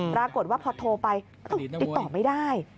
ปรากฏว่าพอโทรไปติดต่อไม่ได้